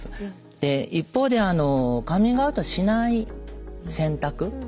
で一方でカミングアウトしない選択